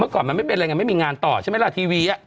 ก่อนมันไม่มีงานต่อใช่ไหมล่ะทีวี